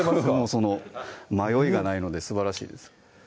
その迷いがないのですばらしいです